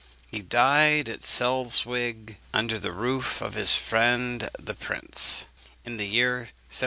He died at Sleswig, under the roof of his friend the prince, in the year 1784.